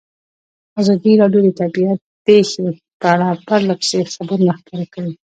ازادي راډیو د طبیعي پېښې په اړه پرله پسې خبرونه خپاره کړي.